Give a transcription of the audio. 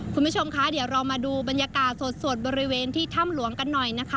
คุณผู้ชมคะเดี๋ยวเรามาดูบรรยากาศสดบริเวณที่ถ้ำหลวงกันหน่อยนะคะ